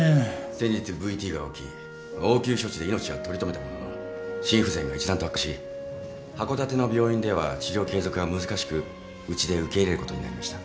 先日ＶＴが起き応急処置で命は取り留めたものの心不全が一段と悪化し函館の病院では治療継続が難しくうちで受け入れることになりました。